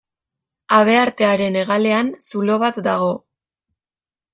Habeartearen hegalean zulo bat dago.